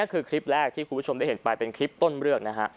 คือคลิปแรกที่คุณผู้ชมได้เห็นไปเป็นคลิปต้นเรื่องนะฮะ